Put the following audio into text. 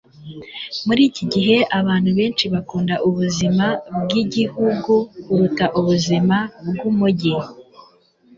muri iki gihe abantu benshi bakunda ubuzima bwigihugu kuruta ubuzima bwumujyi